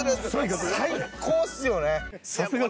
最高っすよね！